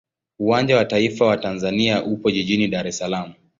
Uwanja wa taifa wa Tanzania upo jijini Dar es Salaam.